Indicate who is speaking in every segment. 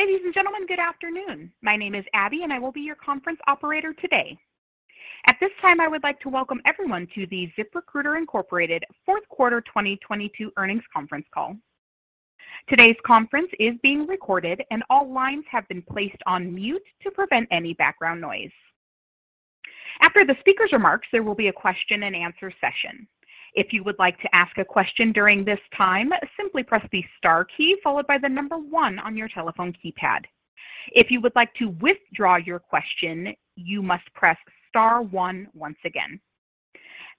Speaker 1: Ladies and gentlemen, good afternoon. My name is Abbie. I will be your conference operator today. At this time, I would like to welcome everyone to the ZipRecruiter, Inc. Q4 2022 Earnings Conference Call. Today's conference is being recorded. All lines have been placed on mute to prevent any background noise. After the speaker's remarks, there will be a question-and-answer session. If you would like to ask a question during this time, simply press the star key followed by the one on your telephone keypad. If you would like to withdraw your question, you must press star one once again.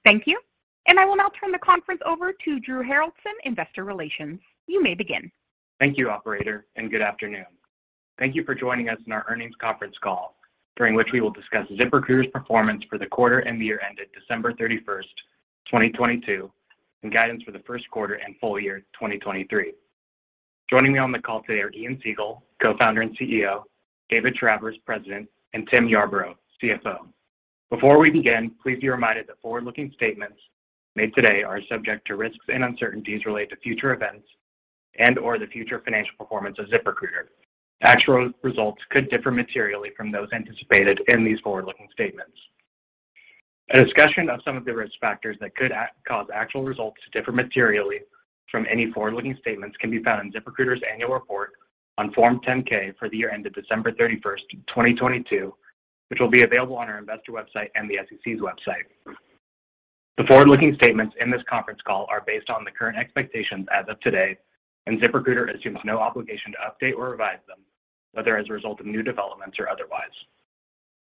Speaker 1: Thank you. I will now turn the conference over to Drew Haroldson, Investor Relations. You may begin. Thank you, operator, and good afternoon. Thank you for joining us in our earnings conference call, during which we will discuss ZipRecruiter's performance for the quarter and the year ended December 31, 2022, and guidance for the Q1 and full year 2023. Joining me on the call today are Ian Siegel, Co-founder and CEO; David Travers, President; and Tim Yarbrough, CFO. Before we begin, please be reminded that forward-looking statements made today are subject to risks and uncertainties related to future events and/or the future financial performance of ZipRecruiter. Actual results could differ materially from those anticipated in these forward-looking statements. A discussion of some of the risk factors that could cause actual results to differ materially from any forward-looking statements can be found in ZipRecruiter's annual report on Form 10-K for the year ended December 31st, 2022, which will be available on our investor website and the SEC's website. The forward-looking statements in this conference call are based on the current expectations as of today. ZipRecruiter assumes no obligation to update or revise them, whether as a result of new developments or otherwise.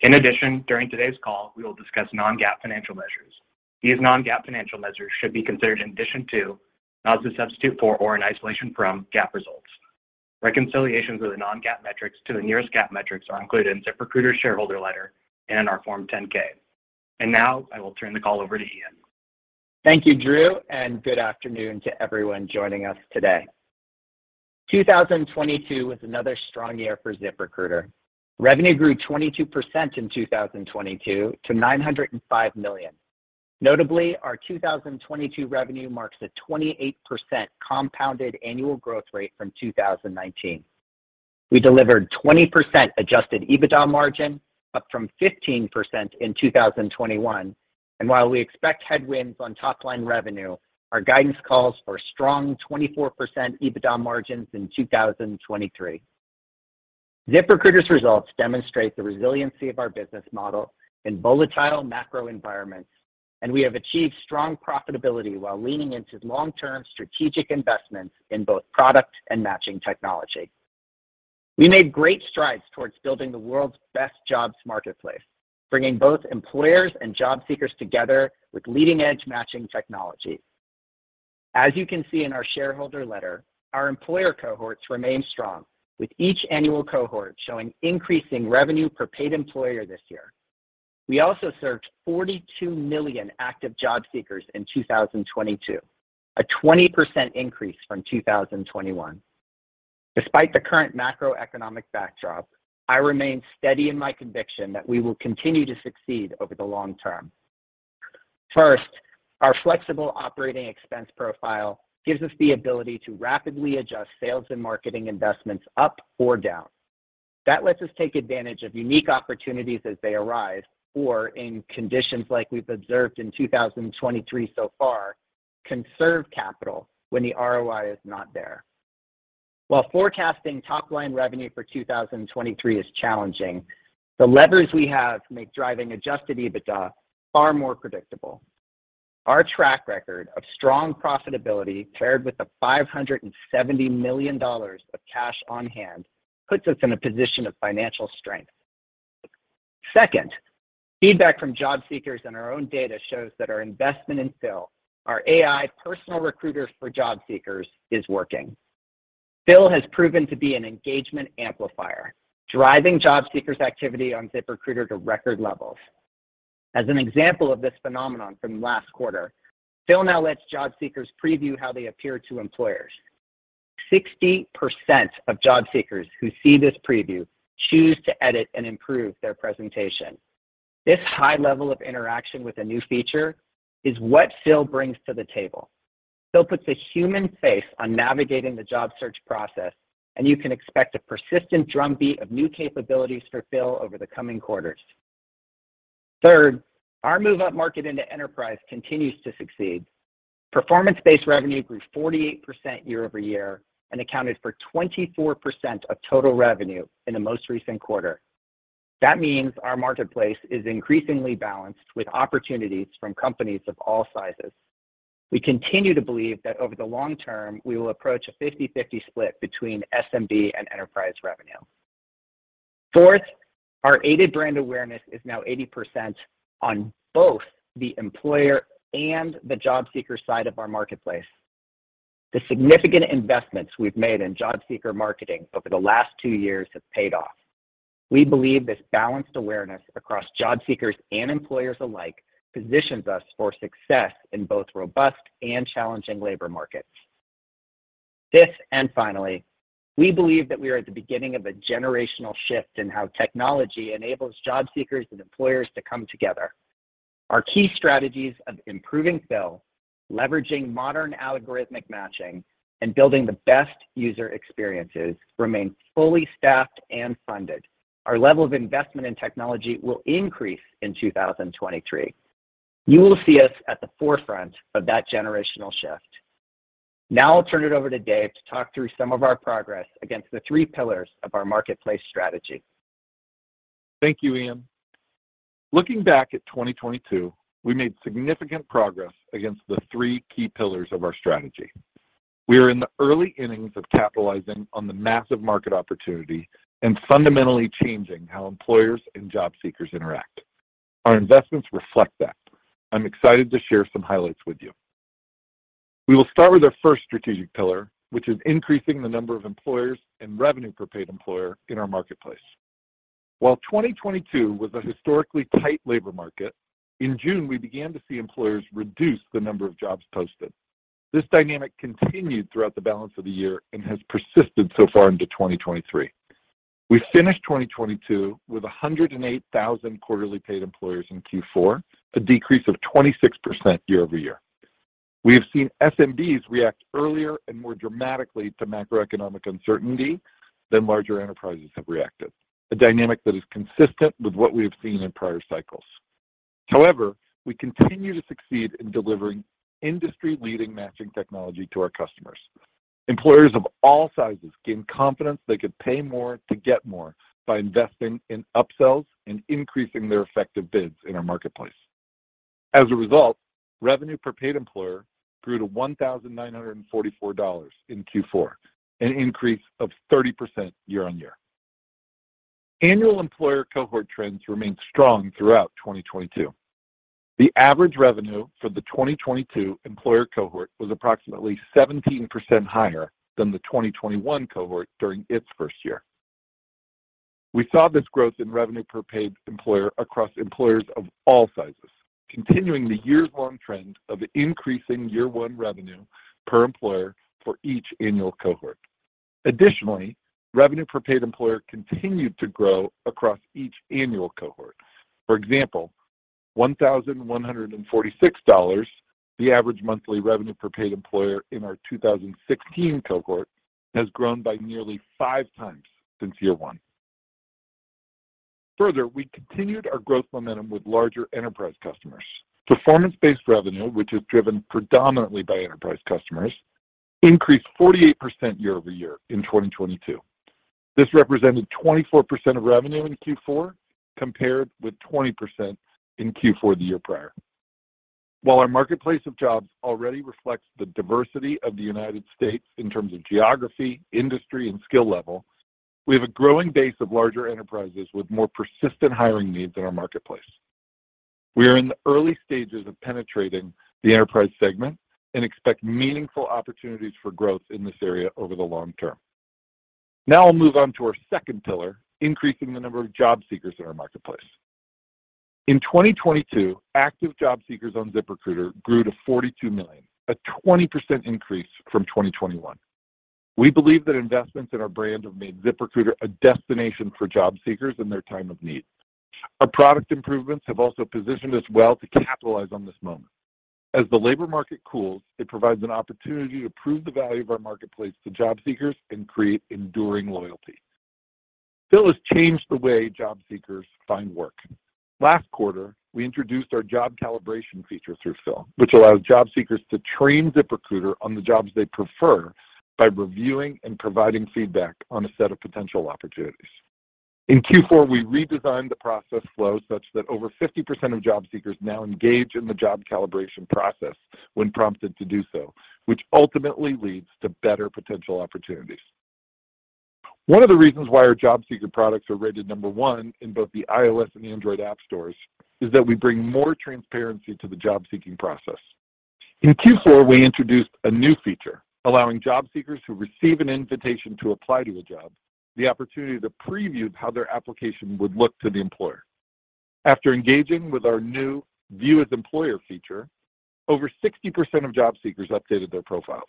Speaker 1: In addition, during today's call, we will discuss non-GAAP financial measures. These non-GAAP financial measures should be considered in addition to, not as a substitute for or an isolation from GAAP results. Reconciliations of the non-GAAP metrics to the nearest GAAP metrics are included in ZipRecruiter's shareholder letter and in our Form 10-K. Now I will turn the call over to Ian.
Speaker 2: Thank you, Drew. Good afternoon to everyone joining us today. 2022 was another strong year for ZipRecruiter. Revenue grew 22% in 2022 to $905 million. Notably, our 2022 revenue marks a 28% compounded annual growth rate from 2019. We delivered 20% Adjusted EBITDA margin, up from 15% in 2021. While we expect headwinds on top-line revenue, our guidance calls for strong 24% EBITDA margins in 2023. ZipRecruiter's results demonstrate the resiliency of our business model in volatile macro environments, and we have achieved strong profitability while leaning into long-term strategic investments in both product and matching technology. We made great strides towards building the world's best jobs marketplace, bringing both employers and job seekers together with leading-edge matching technology. As you can see in our shareholder letter, our employer cohorts remain strong, with each annual cohort showing increasing revenue per paid employer this year. We also served 42 million active job seekers in 2022, a 20% increase from 2021. Despite the current macroeconomic backdrop, I remain steady in my conviction that we will continue to succeed over the long term. First, our flexible OpEx profile gives us the ability to rapidly adjust sales and marketing investments up or down. That lets us take advantage of unique opportunities as they arise, or in conditions like we've observed in 2023 so far, conserve capital when the ROI is not there. While forecasting top-line revenue for 2023 is challenging, the levers we have make driving Adjusted EBITDA far more predictable. Our track record of strong profitability paired with the $570 million of cash on hand puts us in a position of financial strength. Second, feedback from job seekers and our own data shows that our investment in Phil, our AI personal recruiter for job seekers, is working. Phil has proven to be an engagement amplifier, driving job seekers' activity on ZipRecruiter to record levels. As an example of this phenomenon from last quarter, Phil now let's job seekers preview how they appear to employers. 60% of job seekers who see this preview choose to edit and improve their presentation. This high level of interaction with a new feature is what Phil brings to the table. Phil puts a human face on navigating the job search process, and you can expect a persistent drumbeat of new capabilities for Phil over the coming quarters. Third, our move up market into enterprise continues to succeed. Performance-based revenue grew 48% year-over-year and accounted for 24% of total revenue in the most recent quarter. Our marketplace is increasingly balanced with opportunities from companies of all sizes. We continue to believe that over the long term, we will approach a 50/50 split between SMB and enterprise revenue. Fourth, our aided brand awareness is now 80% on both the employer and the job seeker side of our marketplace. The significant investments we've made in job seeker marketing over the last two years have paid off. We believe this balanced awareness across job seekers and employers alike positions us for success in both robust and challenging labor markets. Fifth and finally, we believe that we are at the beginning of a generational shift in how technology enables job seekers and employers to come together. Our key strategies of improving Phil, leveraging modern algorithmic matching, and building the best user experiences remain fully staffed and funded. Our level of investment in technology will increase in 2023. You will see us at the forefront of that generational shift. Now I'll turn it over to Dave to talk through some of our progress against the three pillars of our marketplace strategy.
Speaker 3: Thank you, Ian. Looking back at 2022, we made significant progress against the three key pillars of our strategy. We are in the early innings of capitalizing on the massive market opportunity and fundamentally changing how employers and job seekers interact. Our investments reflect that. I'm excited to share some highlights with you. We will start with our first strategic pillar, which is increasing the number of employers and revenue per paid employer in our marketplace. While 2022 was a historically tight labor market, in June, we began to see employers reduce the number of jobs posted. This dynamic continued throughout the balance of the year and has persisted so far into 2023. We finished 2022 with 108,000 quarterly paid employers in Q4, a decrease of 26% year-over-year. We have seen SMBs react earlier and more dramatically to macroeconomic uncertainty than larger enterprises have reacted, a dynamic that is consistent with what we have seen in prior cycles. We continue to succeed in delivering industry-leading matching technology to our customers. Employers of all sizes gained confidence they could pay more to get more by investing in upsells and increasing their effective bids in our marketplace. Revenue per paid employer grew to $1,944 in Q4, an increase of 30% year-on-year. Annual employer cohort trends remained strong throughout 2022. The average revenue for the 2022 employer cohort was approximately 17% higher than the 2021 cohort during its first year. We saw this growth in revenue per paid employer across employers of all sizes, continuing the years-long trend of increasing year one revenue per employer for each annual cohort. Additionally, revenue per paid employer continued to grow across each annual cohort. For example, $1,146, the average monthly revenue per paid employer in our 2016 cohort, has grown by nearly five times since year one. Further, we continued our growth momentum with larger enterprise customers. Performance-based revenue, which is driven predominantly by enterprise customers, increased 48% year over year in 2022. This represented 24% of revenue in Q4, compared with 20% in Q4 the year prior. While our marketplace of jobs already reflects the diversity of the United States in terms of geography, industry, and skill level, we have a growing base of larger enterprises with more persistent hiring needs in our marketplace. We are in the early stages of penetrating the enterprise segment and expect meaningful opportunities for growth in this area over the long term. I'll move on to our second pillar, increasing the number of job seekers in our marketplace. In 2022, active job seekers on ZipRecruiter grew to 42 million, a 20% increase from 2021. We believe that investments in our brand have made ZipRecruiter a destination for job seekers in their time of need. Our product improvements have also positioned us well to capitalize on this moment. As the labor market cools, it provides an opportunity to prove the value of our marketplace to job seekers and create enduring loyalty. Phil has changed the way job seekers find work. Last quarter, we introduced our job calibration feature through Phil, which allows job seekers to train ZipRecruiter on the jobs they prefer by reviewing and providing feedback on a set of potential opportunities. In Q4, we redesigned the process flow such that over 50% of job seekers now engage in the job calibration process when prompted to do so, which ultimately leads to better potential opportunities. One of the reasons why our job seeker products are rated number one in both the iOS and Android app stores is that we bring more transparency to the job-seeking process. In Q4, we introduced a new feature allowing job seekers who receive an Invite to Apply to a job the opportunity to preview how their application would look to the employer. After engaging with our new View as Employer feature, over 60% of job seekers updated their profiles.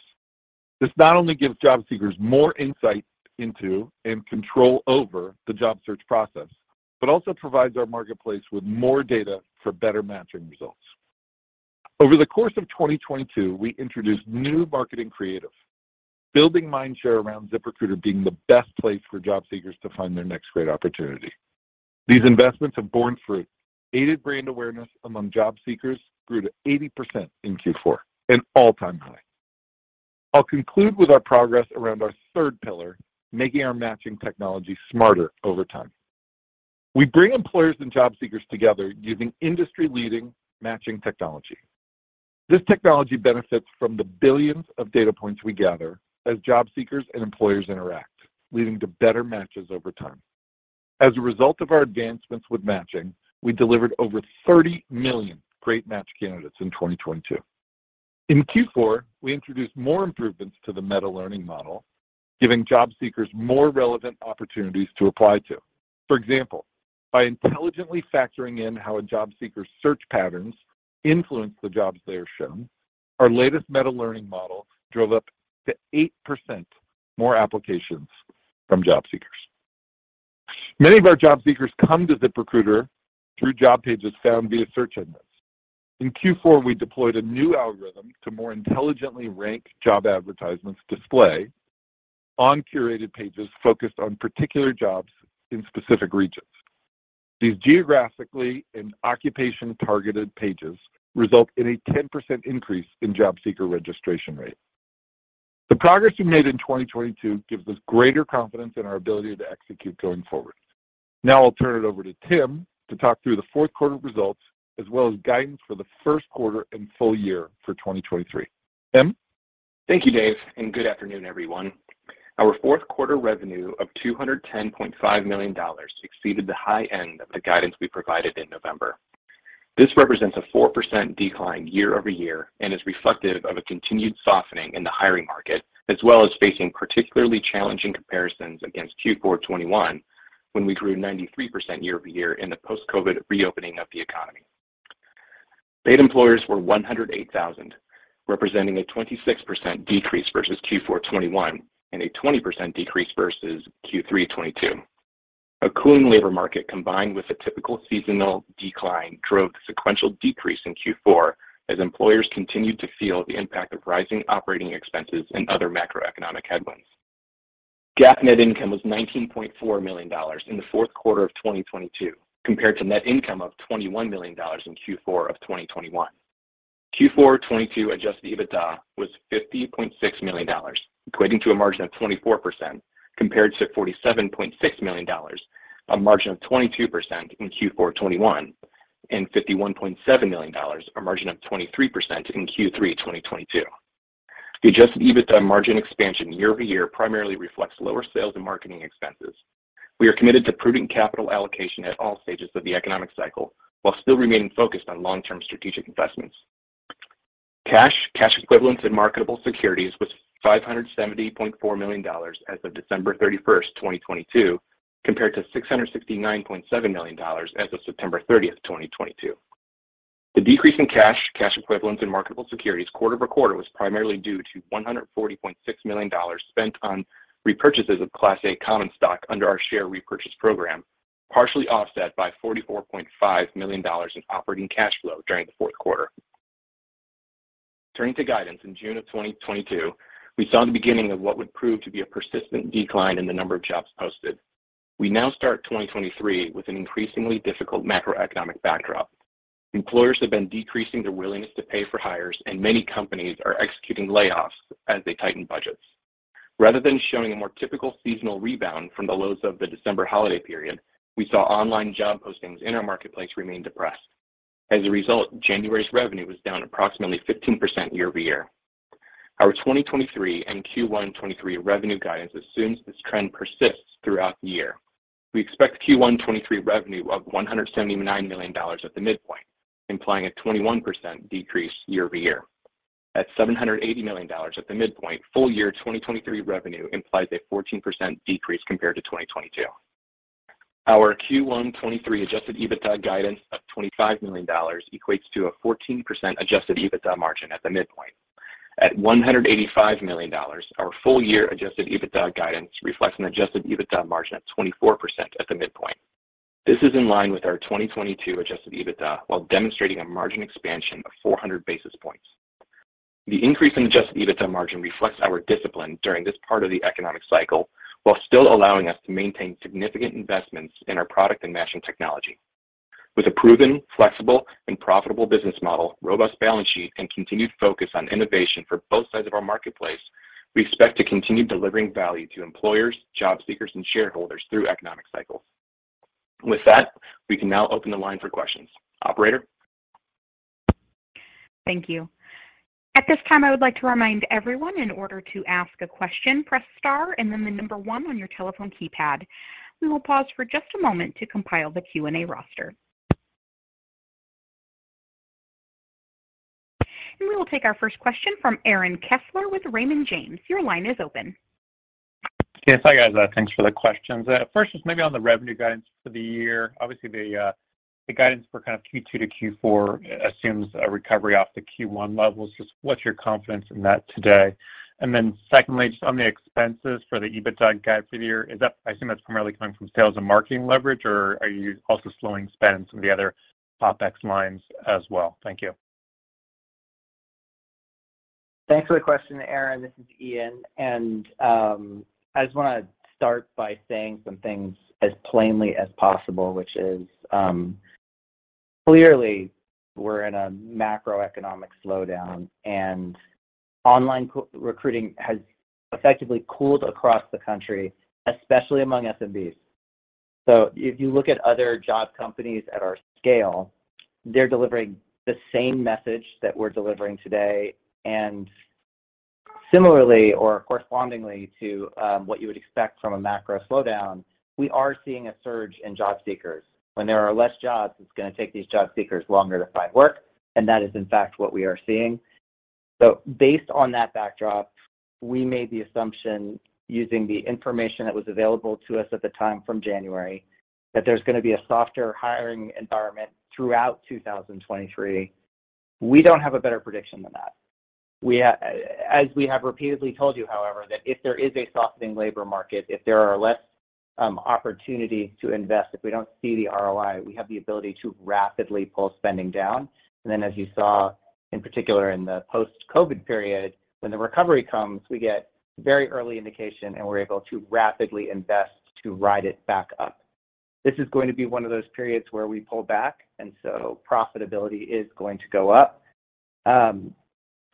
Speaker 3: This not only gives job seekers more insight into and control over the job search process, but also provides our marketplace with more data for better matching results. Over the course of 2022, we introduced new marketing creative, building mind share around ZipRecruiter being the best place for job seekers to find their next great opportunity. These investments have borne fruit. Aided brand awareness among job seekers grew to 80% in Q4, an all-time high. I'll conclude with our progress around our third pillar, making our matching technology smarter over time. We bring employers and job seekers together using industry-leading matching technology. This technology benefits from the billions of data points we gather as job seekers and employers interact, leading to better matches over time. As a result of our advancements with matching, we delivered over 30 million Great Match candidates in 2022. In Q4, we introduced more improvements to the meta-learning model, giving job seekers more relevant opportunities to apply to. For example, by intelligently factoring in how a job seeker's search patterns influence the jobs they are shown, our latest meta-learning model drove up to 8% more applications from job seekers. Many of our job seekers come to ZipRecruiter through job pages found via search engines. In Q4, we deployed a new algorithm to more intelligently rank job advertisements display on curated pages focused on particular jobs in specific regions. These geographically and occupation-targeted pages result in a 10% increase in job seeker registration rate. The progress we made in 2022 gives us greater confidence in our ability to execute going forward. I'll turn it over to Tim to talk through the Q4 results, as well as guidance for the Q1 and full year for 2023. Tim.
Speaker 4: Thank you, Dave. Good afternoon, everyone. Our Q4 revenue of $210.5 million exceeded the high end of the guidance we provided in November. This represents a 4% decline year-over-year and is reflective of a continued softening in the hiring market, as well as facing particularly challenging comparisons against Q4 '21, when we grew 93% year-over-year in the post-COVID reopening of the economy. Paid employers were 108,000, representing a 26% decrease versus Q4 '21, and a 20% decrease versus Q3 '22. A cooling labor market combined with a typical seasonal decline drove sequential decrease in Q4 as employers continued to feel the impact of rising operating expenses and other macroeconomic headwinds. GAAP net income was $19.4 million in the Q4 of 2022, compared to net income of $21 million in Q4 of 2021. Q4 2022 Adjusted EBITDA was $50.6 million, equating to a margin of 24% compared to $47.6 million, a margin of 22% in Q4 2021, and $51.7 million, a margin of 23% in Q3 2022. The Adjusted EBITDA margin expansion year-over-year primarily reflects lower sales and marketing expenses. We are committed to prudent capital allocation at all stages of the economic cycle, while still remaining focused on long-term strategic investments. Cash, cash equivalents, and marketable securities was $570.4 million as of December thirty-first, 2022, compared to $669.7 million as of September thirtieth, 2022. The decrease in cash equivalents, and marketable securities quarter-over-quarter was primarily due to $140.6 million spent on repurchases of Class A common stock under our share repurchase program, partially offset by $44.5 million in operating cash flow during the Q4. Turning to guidance, in June of 2022, we saw the beginning of what would prove to be a persistent decline in the number of jobs posted. We now start 2023 with an increasingly difficult macroeconomic backdrop. Employers have been decreasing their willingness to pay for hires, and many companies are executing layoffs as they tighten budgets. Rather than showing a more typical seasonal rebound from the lows of the December holiday period, we saw online job postings in our marketplace remain depressed. As a result, January's revenue was down approximately 15% year-over-year. Our 2023 and Q1 2023 revenue guidance assumes this trend persists throughout the year. We expect Q1 2023 revenue of $179 million at the midpoint, implying a 21% decrease year-over-year. At $780 million at the midpoint, full year 2023 revenue implies a 14% decrease compared to 2022. Our Q1 2023 Adjusted EBITDA guidance of $25 million equates to a 14% Adjusted EBITDA margin at the midpoint. At $185 million, our full year Adjusted EBITDA guidance reflects an Adjusted EBITDA margin of 24% at the midpoint. This is in line with our 2022 Adjusted EBITDA, while demonstrating a margin expansion of 400 basis points. The increase in Adjusted EBITDA margin reflects our discipline during this part of the economic cycle, while still allowing us to maintain significant investments in our product and matching technology. With a proven, flexible, and profitable business model, robust balance sheet, and continued focus on innovation for both sides of our marketplace, we expect to continue delivering value to employers, job seekers, and shareholders through economic cycles. We can now open the line for questions. Operator.
Speaker 5: Thank you. At this time, I would like to remind everyone in order to ask a question, press star and then the number one on your telephone keypad. We will pause for just a moment to compile the Q&A roster. We will take our first question from Aaron Kessler with Raymond James. Your line is open.
Speaker 6: Yes. Hi, guys. Thanks for the questions. First just maybe on the revenue guidance for the year. Obviously, the guidance for kind of Q2 to Q4 assumes a recovery off the Q1 levels. Just what's your confidence in that today? Secondly, just on the expenses for the EBITDA guide for the year, is that? I assume that's primarily coming from sales and marketing leverage, or are you also slowing spend in some of the other OpEx lines as well? Thank you.
Speaker 2: Thanks for the question, Aaron. This is Ian, and I just want to start by saying some things as plainly as possible, which is, clearly we're in a macroeconomic slowdown, and online recruiting has effectively cooled across the country, especially among SMBs. If you look at other job companies at our scale, they're delivering the same message that we're delivering today. Similarly, or correspondingly to what you would expect from a macro slowdown, we are seeing a surge in job seekers. When there are less jobs, it's going to take these job seekers longer to find work, and that is in fact what we are seeing. Based on that backdrop, we made the assumption using the information that was available to us at the time from January, that there's going to be a softer hiring environment throughout 2023. We don't have a better prediction than that. We as we have repeatedly told you, however, that if there is a softening labor market, if there are less opportunity to invest, if we don't see the ROI, we have the ability to rapidly pull spending down. As you saw in particular in the post-COVID period, when the recovery comes, we get very early indication, and we're able to rapidly invest to ride it back up. This is going to be one of those periods where we pull back, profitability is going to go up.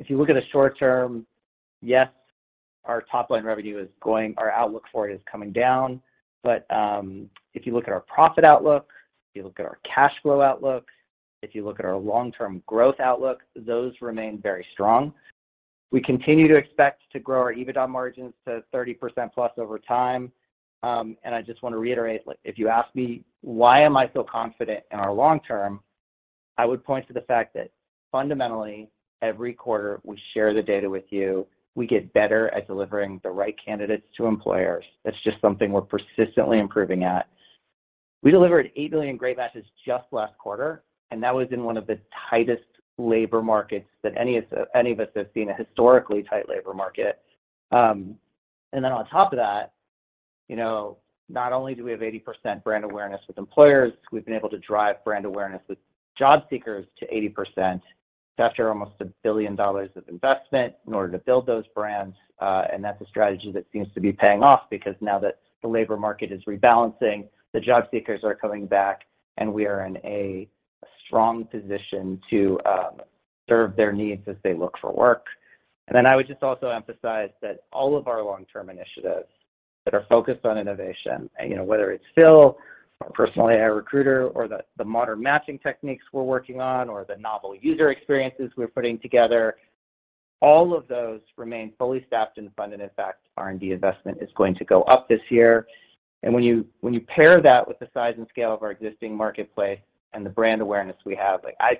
Speaker 2: If you look at the short term, yes, our top-line revenue our outlook for it is coming down. If you look at our profit outlook, if you look at our cash flow outlook, if you look at our long-term growth outlook, those remain very strong. We continue to expect to grow our EBITDA margins to 30% plus over time. I just want to reiterate, like, if you ask me why am I so confident in our long term, I would point to the fact that fundamentally, every quarter we share the data with you. We get better at delivering the right candidates to employers. That's just something we're persistently improving at. We delivered eight million Great Matches just last quarter, that was in one of the tightest labor markets that any of us have seen, a historically tight labor market. On top of that, you know, not only do we have 80% brand awareness with employers, we've been able to drive brand awareness with job seekers to 80% after almost $1 billion of investment in order to build those brands. That's a strategy that seems to be paying off because now that the labor market is rebalancing, the job seekers are coming back, and we are in a strong position to serve their needs as they look for work. I would just also emphasize that all of our long-term initiatives that are focused on innovation, you know, whether it's Phil, our personal AI recruiter or the modern matching techniques we're working on or the novel user experiences we're putting together, all of those remain fully staffed and funded. In fact, R&D investment is going to go up this year. When you pair that with the size and scale of our existing marketplace and the brand awareness we have, like, I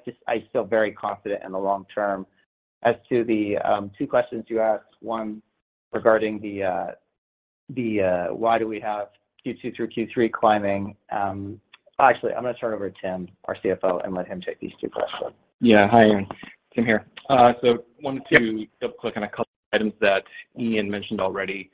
Speaker 2: feel very confident in the long term. As to the, two questions you asked, one regarding the, why do we have Q2 through Q3 climbing. Actually, I'm gonna turn it over to Tim, our CFO, and let him take these two questions.
Speaker 4: Yeah. Hi, Ian. Tim here. Wanted to double-click on a couple items that Ian mentioned already.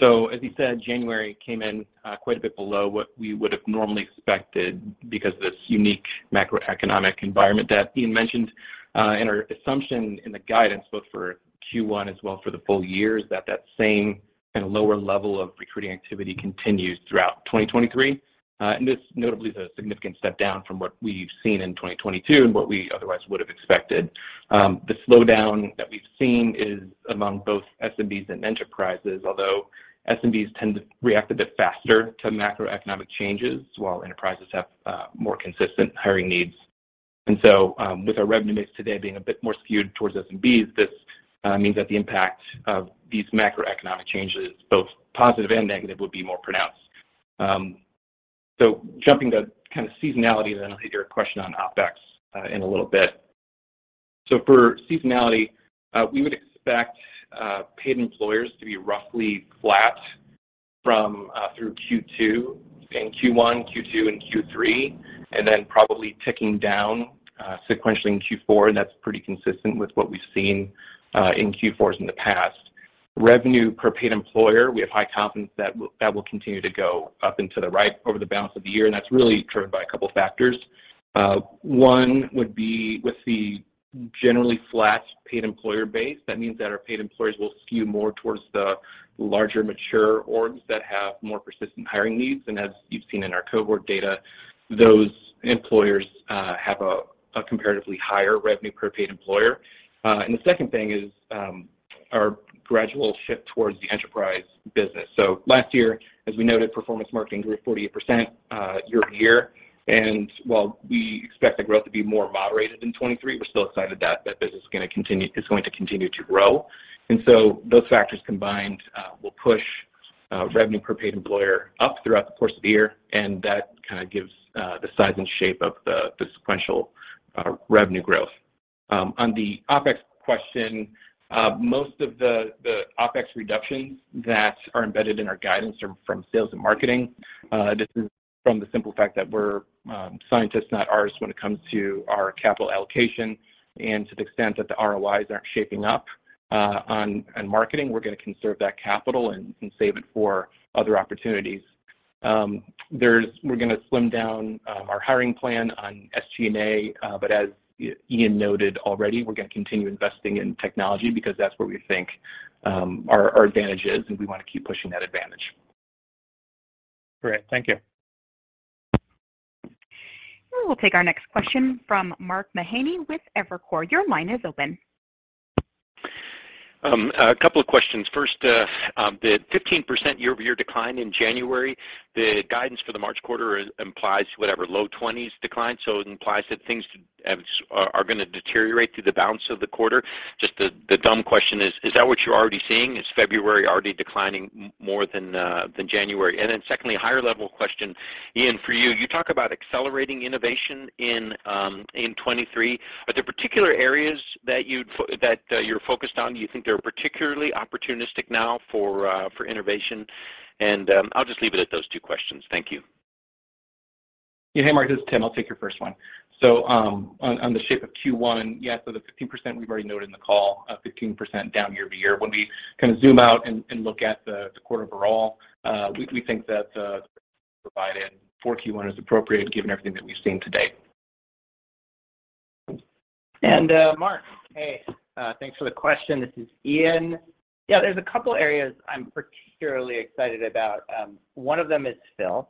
Speaker 4: As he said, January came in quite a bit below what we would've normally expected because of this unique macroeconomic environment that Ian mentioned. Our assumption in the guidance both for Q1 as well for the full year is that that same kind of lower level of recruiting activity continues throughout 2023. This notably is a significant step down from what we've seen in 2022 and what we otherwise would've expected. The slowdown that we've seen is among both SMBs and enterprises, although SMBs tend to react a bit faster to macroeconomic changes, while enterprises have more consistent hiring needs. With our revenue mix today being a bit more skewed towards SMBs, this means that the impact of these macroeconomic changes, both positive and negative, would be more pronounced. Jumping to kind of seasonality, and then I'll hit your question on OpEx in a little bit. For seasonality, we would expect paid employers to be roughly flat from through Q2. In Q1, Q2, and Q3, and then probably ticking down sequentially in Q4, and that's pretty consistent with what we've seen in Q4s in the past. Revenue per paid employer, we have high confidence that will continue to go up and to the right over the balance of the year, and that's really driven by a couple factors. One would be with the generally flat paid employer base, that means that our paid employers will skew more towards the larger mature orgs that have more persistent hiring needs. As you've seen in our cohort data, those employers have a comparatively higher revenue per paid employer. The second thing is our gradual shift towards the enterprise business. Last year, as we noted, performance marketing grew 48% year-over-year. While we expect the growth to be more moderated in 2023, we're still excited that that business is gonna continue to grow. Those factors combined will push revenue per paid employer up throughout the course of the year, and that kind of gives the size and shape of the sequential revenue growth. On the OpEx question, most of the OpEx reductions that are embedded in our guidance are from sales and marketing. This is from the simple fact that we're scientists, not artists, when it comes to our capital allocation. To the extent that the ROIs aren't shaping up on marketing, we're gonna conserve that capital and save it for other opportunities. We're gonna slim down our hiring plan on SG&A. As Ian noted already, we're gonna continue investing in technology because that's where we think our advantage is, and we wanna keep pushing that advantage.
Speaker 6: Great. Thank you.
Speaker 5: We will take our next question from Mark Mahaney with Evercore. Your line is open.
Speaker 7: A couple of questions. First, the 15% year-over-year decline in January, the guidance for the March quarter implies whatever, low 20s decline. It implies that things are gonna deteriorate through the balance of the quarter. Just the dumb question is that what you're already seeing? Is February already declining more than January? Secondly, a higher level question, Ian, for you. You talk about accelerating innovation in 2023. Are there particular areas that you're focused on that you think they're particularly opportunistic now for innovation? I'll just leave it at those two questions. Thank you.
Speaker 4: Yeah, hey Mark, this is Tim. I'll take your first one. on the shape of Q1, yeah, so the 15% we've already noted in the call, 15% down year-over-year. When we kinda zoom out and look at the quarter overall, we think that the provided for Q1 is appropriate given everything that we've seen to date.
Speaker 2: Mark, hey, thanks for the question. This is Ian. There's a couple areas I'm particularly excited about. One of them is Phil.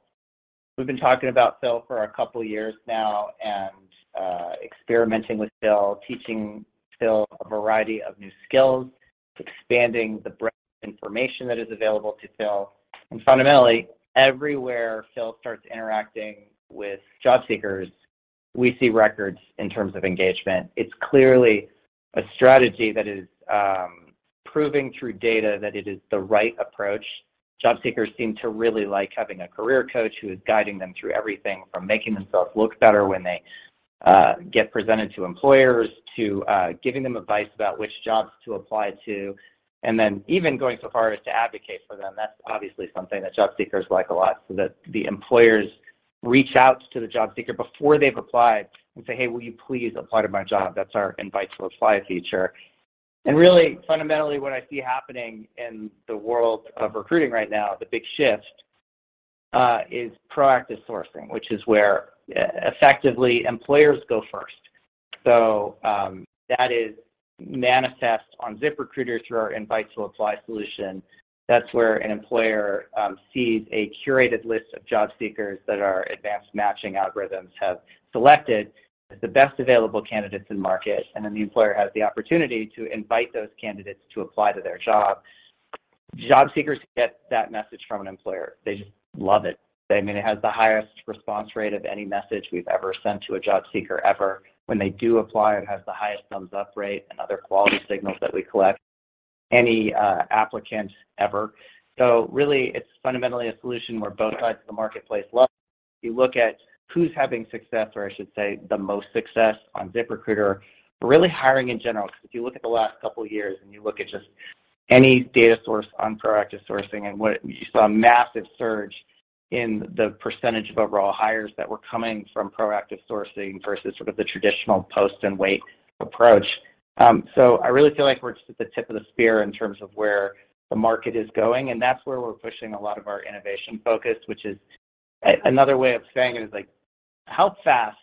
Speaker 2: We've been talking about Phil for a couple years now and experimenting with Phil, teaching Phil a variety of new skills, expanding the breadth of information that is available to Phil. Fundamentally, everywhere Phil starts interacting with job seekers, we see records in terms of engagement. It's clearly a strategy that is proving through data that it is the right approach. Job seekers seem to really like having a career coach who is guiding them through everything from making themselves look better when they get presented to employers, to giving them advice about which jobs to apply to, and then even going so far as to advocate for them. That's obviously something that job seekers like a lot, that the employers reach out to the job seeker before they've applied and say, "Hey, will you please apply to my job?" That's our Invite to Apply feature. Really, fundamentally what I see happening in the world of recruiting right now, the big shift is effectively proactive sourcing, which is where employers go first. That is manifest on ZipRecruiter through our Invite to Apply solution. That's where an employer sees a curated list of job seekers that our advanced matching algorithms have selected as the best available candidates in market, then the employer has the opportunity to invite those candidates to apply to their job. Job seekers get that message from an employer. They just love it. I mean, it has the highest response rate of any message we've ever sent to a job seeker ever. When they do apply, it has the highest thumbs up rate and other quality signals that we collect, any applicant ever. Really, it's fundamentally a solution where both sides of the marketplace love... You look at who's having success, or I should say the most success on ZipRecruiter, but really hiring in general, 'cause if you look at the last couple years and you look at just any data source on proactive sourcing and what... You saw a massive surge in the percentage of overall hires that were coming from proactive sourcing versus sort of the traditional post and wait approach. I really feel like we're just at the tip of the spear in terms of where the market is going, and that's where we're pushing a lot of our innovation focus. Another way of saying it is like, how fast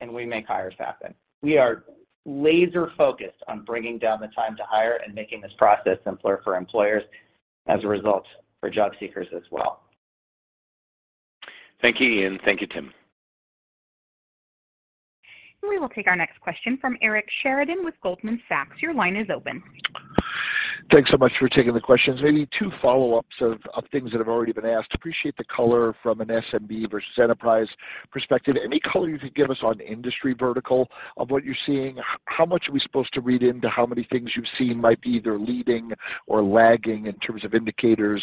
Speaker 2: can we make hires happen? We are laser focused on bringing down the time to hire and making this process simpler for employers, as a result for job seekers as well.
Speaker 7: Thank you, Ian. Thank you, Tim.
Speaker 5: We will take our next question from Eric Sheridan with Goldman Sachs. Your line is open.
Speaker 8: Thanks so much for taking the questions. Maybe two follow-ups of things that have already been asked. Appreciate the color from an SMB versus enterprise perspective. Any color you could give us on industry vertical of what you're seeing? How much are we supposed to read into how many things you've seen might be either leading or lagging in terms of indicators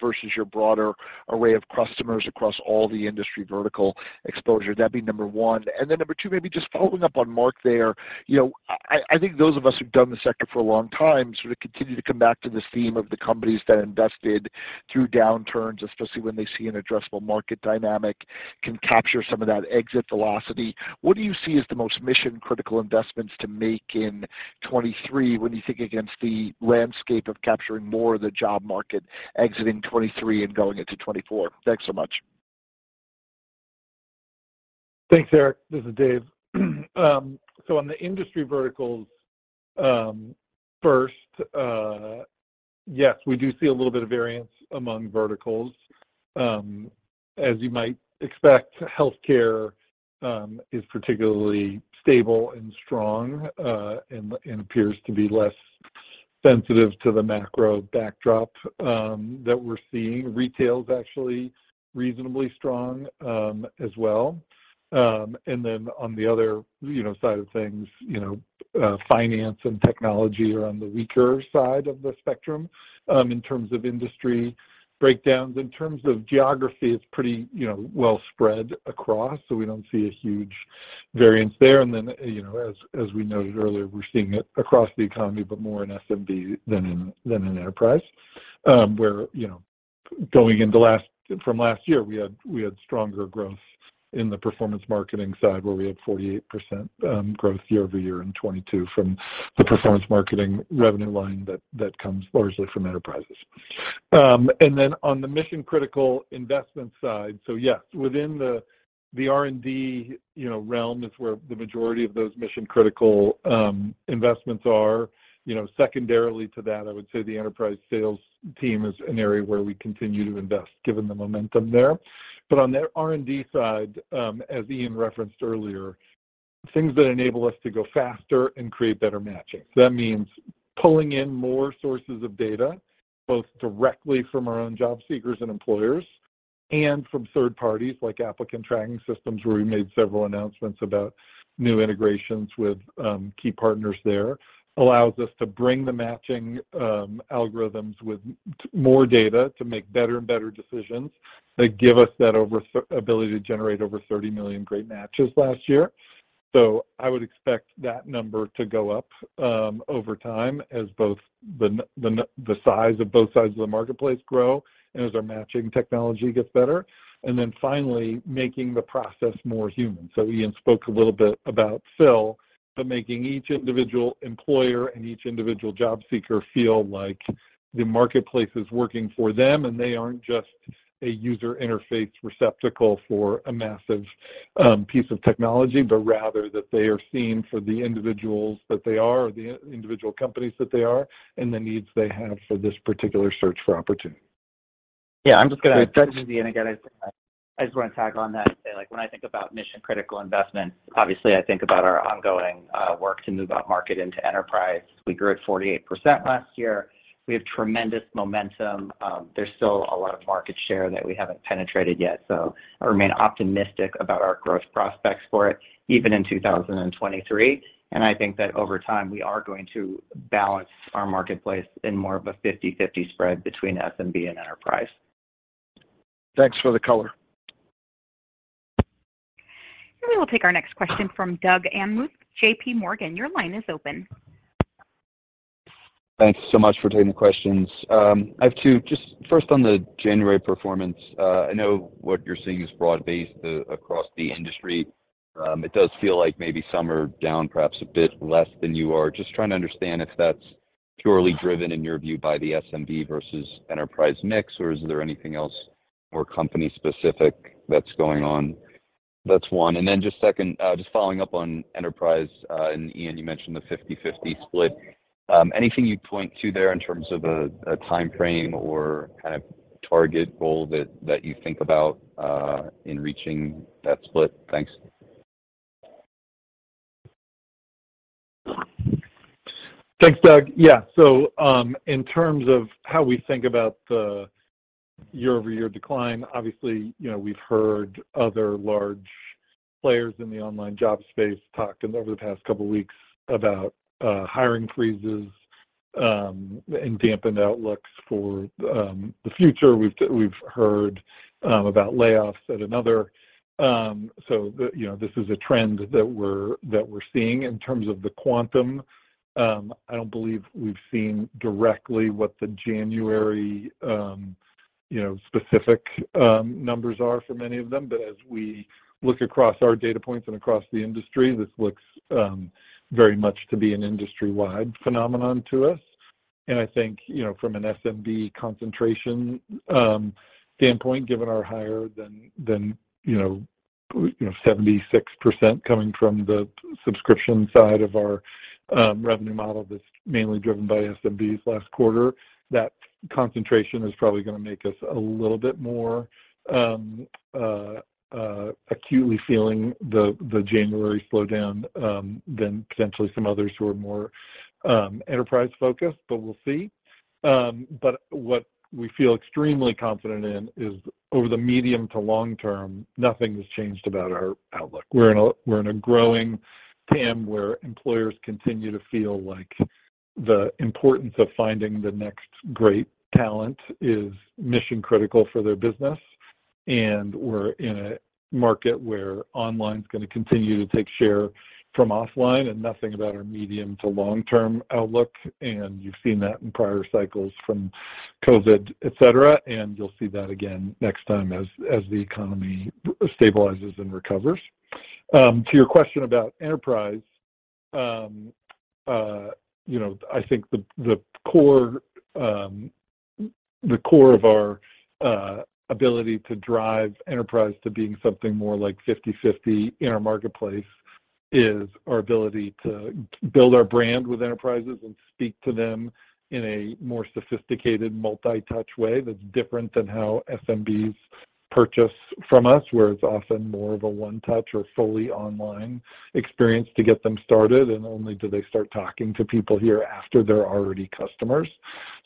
Speaker 8: versus your broader array of customers across all the industry vertical exposure? That'd be number one. Then number two, maybe just following up on Mark there. You know, I think those of us who've done the sector for a long time sort of continue to come back to this theme of the companies that invested through downturns, especially when they see an addressable market dynamic, can capture some of that exit velocity. What do you see as the most mission-critical investments to make in 2023 when you think against the landscape of capturing more of the job market exiting 2023 and going into 2024? Thanks so much.
Speaker 3: Thanks, Eric. This is Dave. On the industry verticals, first, yes, we do see a little bit of variance among verticals. As you might expect, healthcare is particularly stable and strong and appears to be less sensitive to the macro backdrop that we're seeing. Retail is actually reasonably strong as well. On the other, you know, side of things, you know, finance and technology are on the weaker side of the spectrum in terms of industry breakdowns. In terms of geography, it's pretty, you know, well spread across, we don't see a huge variance there. You know, as we noted earlier, we're seeing it across the economy, but more in SMB than in enterprise, where, you know, from last year, we had stronger growth in the performance marketing side, where we had 48% growth year-over-year in 2022 from the performance marketing revenue line that comes largely from enterprises. On the mission-critical investment side, so yes, within the R&D, you know, realm is where the majority of those mission-critical investments are. You know, secondarily to that, I would say the enterprise sales team is an area where we continue to invest, given the momentum there. On the R&D side, as Ian referenced earlier, things that enable us to go faster and create better matching. That means pulling in more sources of data, both directly from our own job seekers and employers, and from third parties like applicant tracking systems, where we made several announcements about new integrations with key partners there, allows us to bring the matching algorithms with more data to make better and better decisions that give us that ability to generate over 30 million great matches last year. I would expect that number to go up over time as both the size of both sides of the marketplace grow and as our matching technology gets better. Finally, making the process more human. Ian spoke a little bit about Phil, but making each individual employer and each individual job seeker feel like the marketplace is working for them and they aren't just a user interface receptacle for a massive piece of technology, but rather that they are seen for the individuals that they are, or the individual companies that they are, and the needs they have for this particular search for opportunity.
Speaker 2: This is Ian again. I just want to tag on that and say, like, when I think about mission-critical investments, obviously I think about our ongoing work to move upmarket into enterprise. We grew at 48% last year. We have tremendous momentum. There's still a lot of market share that we haven't penetrated yet, so I remain optimistic about our growth prospects for it even in 2023. I think that over time we are going to balance our marketplace in more of a 50/50 spread between SMB and enterprise.
Speaker 8: Thanks for the color.
Speaker 5: We will take our next question from Doug Anmuth, JPMorgan. Your line is open.
Speaker 9: Thanks so much for taking the questions. I have two. Just first on the January performance, I know what you're seeing is broad-based across the industry. It does feel like maybe some are down perhaps a bit less than you are. Just trying to understand if that's purely driven, in your view, by the SMB versus enterprise mix, or is there anything else more company specific that's going on? That's one. Just second, just following up on enterprise, and Ian, you mentioned the 50/50 split. Anything you'd point to there in terms of a timeframe or kind of target goal that you think about in reaching that split? Thanks.
Speaker 3: Thanks, Doug. Yeah. In terms of how we think about the year-over-year decline, obviously, you know, we've heard other large players in the online job space talk over the past couple of weeks about hiring freezes and dampened outlooks for the future. We've heard about layoffs at another. You know, this is a trend that we're seeing. In terms of the quantum, I don't believe we've seen directly what the January, you know, specific numbers are for many of them. As we look across our data points and across the industry, this looks very much to be an industry-wide phenomenon to us. I think, you know, from an SMB concentration standpoint, given our higher than, you know, 76% coming from the subscription side of our revenue model that's mainly driven by SMBs last quarter, that concentration is probably gonna make us a little bit more acutely feeling the January slowdown than potentially some others who are more enterprise-focused, but we'll see. What we feel extremely confident in is over the medium to long term, nothing has changed about our outlook. We're in a growing TAM where employers continue to feel like the importance of finding the next great talent is mission-critical for their business. We're in a market where online's gonna continue to take share from offline and nothing about our medium to long-term outlook. You've seen that in prior cycles from COVID, et cetera, and you'll see that again next time as the economy stabilizes and recovers. To your question about enterprise, you know, I think the core, the core of our ability to drive enterprise to being something more like 50/50 in our marketplace is our ability to build our brand with enterprises and speak to them in a more sophisticated multi-touch way that's different than how SMBs purchase from us, where it's often more of a one touch or fully online experience to get them started, and only do they start talking to people here after they're already customers.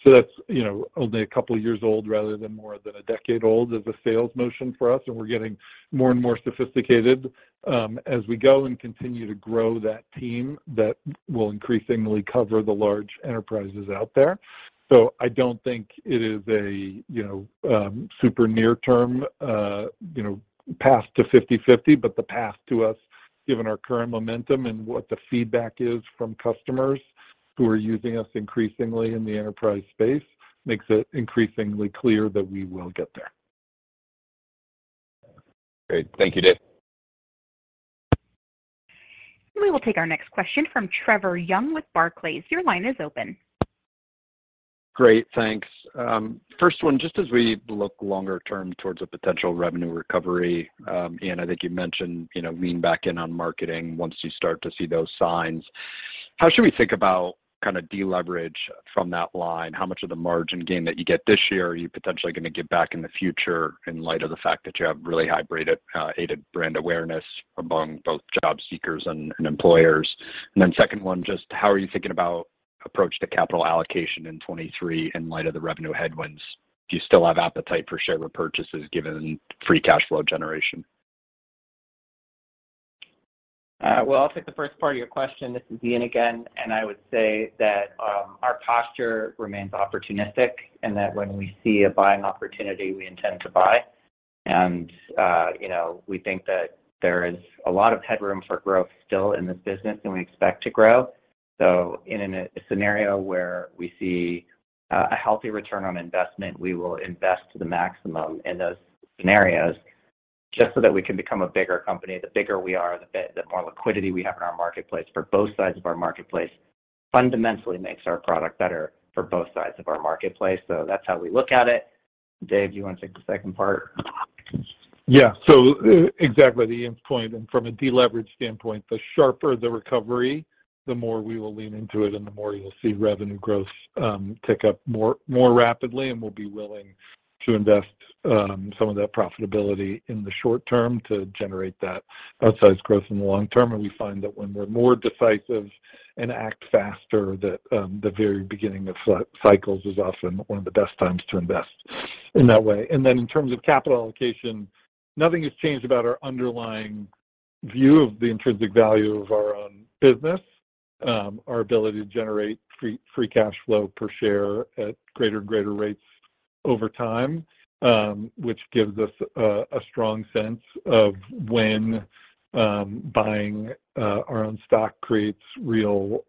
Speaker 3: That's, you know, only a couple of years old rather than more than a decade old as a sales motion for us, and we're getting more and more sophisticated, as we go and continue to grow that team that will increasingly cover the large enterprises out there. I don't think it is a, you know, super near-term, you know, path to 50/50, but the path to us, given our current momentum and what the feedback is from customers who are using us increasingly in the enterprise space, makes it increasingly clear that we will get there.
Speaker 9: Great. Thank you, Dave.
Speaker 5: We will take our next question from Trevor Young with Barclays. Your line is open.
Speaker 10: Great. Thanks. First one, just as we look longer term towards a potential revenue recovery, Ian, I think you mentioned, you know, lean back in on marketing once you start to see those signs. How should we think about kind of deleverage from that line? How much of the margin gain that you get this year are you potentially gonna give back in the future in light of the fact that you have really high-branded, aided brand awareness among both job seekers and employers? Second one, just how are you thinking about approach to capital allocation in 23 in light of the revenue headwinds? Do you still have appetite for share repurchases given free cash flow generation?
Speaker 2: Well, I'll take the first part of your question. This is Ian again. I would say that our posture remains opportunistic and that when we see a buying opportunity, we intend to buy. You know, we think that there is a lot of headroom for growth still in this business, and we expect to grow. In a scenario where we see a healthy return on investment, we will invest to the maximum in those scenarios just so that we can become a bigger company. The bigger we are, the more liquidity we have in our marketplace for both sides of our marketplace, fundamentally makes our product better for both sides of our marketplace. That's how we look at it. Dave, do you wanna take the second part?
Speaker 3: Yeah. Exactly to Ian's point, from a deleverage standpoint, the sharper the recovery, the more we will lean into it, and the more you'll see revenue growth tick up more rapidly, and we'll be willing to invest some of that profitability in the short term to generate that outsized growth in the long term. We find that when we're more decisive and act faster, that the very beginning of cycles is often one of the best times to invest in that way. In terms of capital allocation, nothing has changed about our underlying view of the intrinsic value of our own business, our ability to generate free cash flow per share at greater and greater rates over time, which gives us a strong sense of when buying our own stock creates real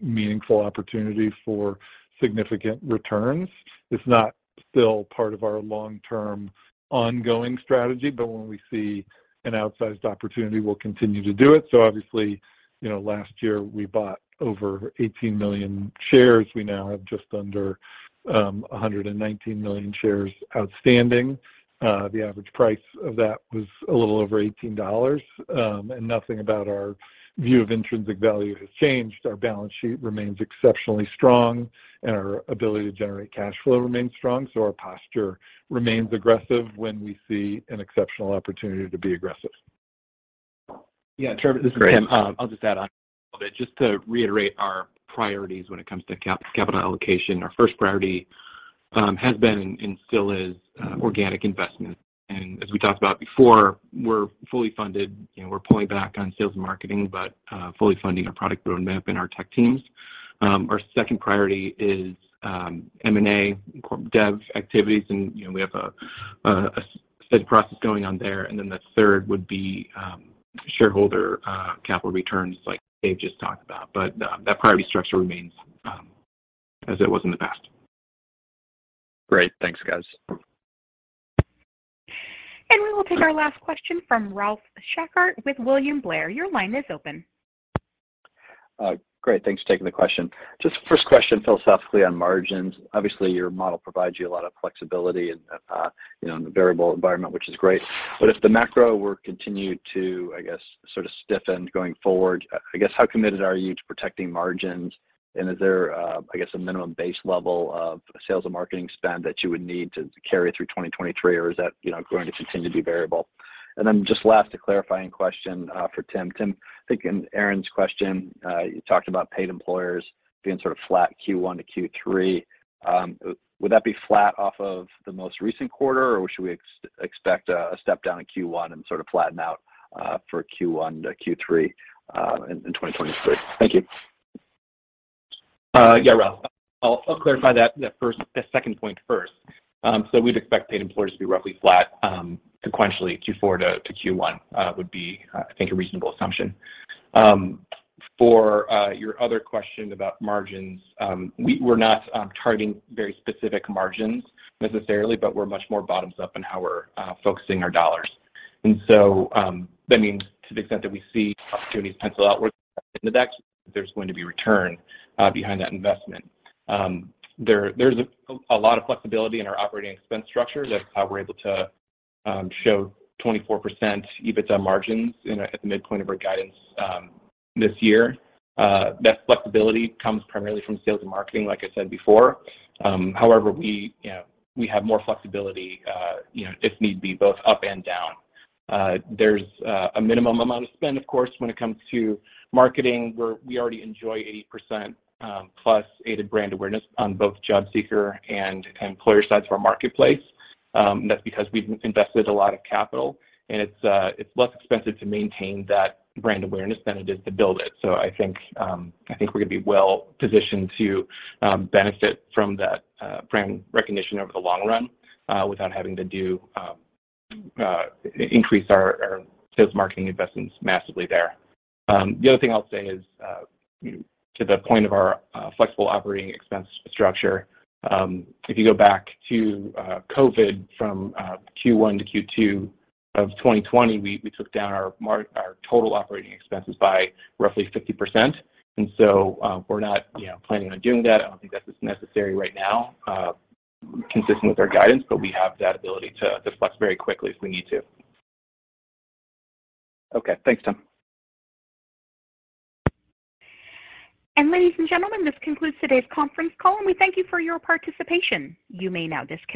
Speaker 3: meaningful opportunity for significant returns. It's not still part of our long-term ongoing strategy, but when we see an outsized opportunity, we'll continue to do it. Obviously, you know, last year we bought over 18 million shares. We now have just under 119 million shares outstanding. The average price of that was a little over $18, and nothing about our view of intrinsic value has changed. Our balance sheet remains exceptionally strong, and our ability to generate cash flow remains strong, so our posture remains aggressive when we see an exceptional opportunity to be aggressive.
Speaker 4: Yeah, Trevor, this is Tim. I'll just add on a little bit just to reiterate our priorities when it comes to capital allocation. Our first priority has been and still is organic investment. As we talked about before, we're fully funded. You know, we're pulling back on sales and marketing, but fully funding our product roadmap and our tech teams. Our second priority is M&A corp dev activities and, you know, we have a said process going on there. The third would be shareholder capital returns like Dave just talked about. That priority structure remains as it was in the past.
Speaker 10: Great. Thanks, guys.
Speaker 5: We will take our last question from Ralph Schackart with William Blair. Your line is open.
Speaker 11: Great. Thanks for taking the question. Just first question philosophically on margins. Obviously, your model provides you a lot of flexibility and, you know, in the variable environment, which is great. If the macro were continued to, I guess, sort of stiffen going forward, I guess, how committed are you to protecting margins? Is there, I guess, a minimum base level of sales and marketing spend that you would need to carry through 2023, or is that, you know, going to continue to be variable? Just last, a clarifying question for Tim. Tim, I think in Aaron's question, you talked about paid employers being sort of flat Q1 to Q3. Would that be flat off of the most recent quarter, or should we expect a step down in Q1 and sort of flatten out for Q1 to Q3 in 2023? Thank you.
Speaker 4: Yeah, Ralph. I'll clarify that second point first. We'd expect paid employers to be roughly flat sequentially Q4 to Q1. Would be, I think, a reasonable assumption. For your other question about margins, we're not targeting very specific margins necessarily, but we're much more bottoms up in how we're focusing our dollars. That means to the extent that we see opportunities pencil out where in the deck, there's going to be return behind that investment. There's a lot of flexibility in our operating expense structure. That's how we're able to show 24% EBITDA margins at the midpoint of our guidance this year. That flexibility comes primarily from sales and marketing, like I said before. However, we, you know, we have more flexibility, you know, if need be, both up and down. There's a minimum amount of spend, of course, when it comes to marketing, where we already enjoy 80% plus aided brand awareness on both job seeker and employer sides of our marketplace. That's because we've invested a lot of capital, and it's less expensive to maintain that brand awareness than it is to build it. I think, I think we're going to be well-positioned to benefit from that brand recognition over the long run, without having to do increase our sales marketing investments massively there. ll say is, to the point of our flexible operating expense structure, if you go back to COVID from Q1 to Q2 of 2020, we took down our total operating expenses by roughly 50%. We're not, you know, planning on doing that. I don't think that's as necessary right now, consistent with our guidance, but we have that ability to flex very quickly if we need to
Speaker 11: Okay. Thanks, Tim.
Speaker 5: Ladies and gentlemen, this concludes today's conference call, and we thank you for your participation. You may now disconnect.